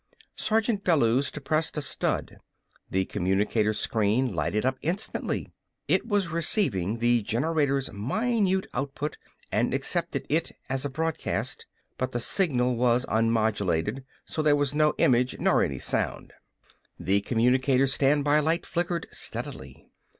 Sergeant Bellews depressed a stud. The communicator's screen lighted up instantly. It was receiving the generator's minute output and accepted it as a broadcast. But the signal was unmodulated, so there was no image nor any sound. The communicator's standby light flickered steadily.